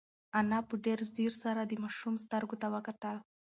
انا په ډېر ځير سره د ماشوم سترګو ته وکتل.